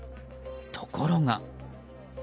ところが。